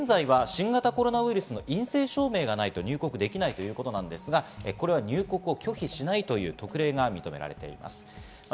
現在は新型コロナウイルスの陰性証明書がないと入国できないということなんですが、これは入国を拒否しないという特例が認められています。